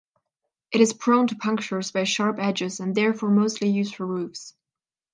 It is prone to punctures by sharp edges and therefore mostly used for roofs.